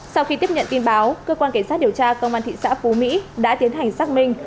sau khi tiếp nhận tin báo cơ quan cảnh sát điều tra công an thị xã phú mỹ đã tiến hành xác minh